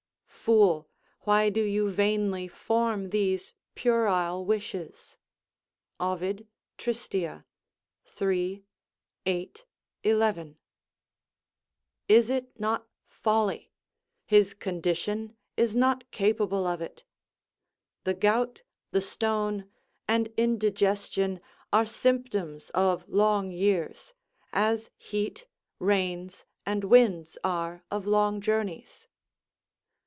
["Fool! why do you vainly form these puerile wishes?" Ovid., Trist., 111. 8, II.] is it not folly? his condition is not capable of it. The gout, the stone, and indigestion are symptoms of long years; as heat, rains, and winds are of long journeys.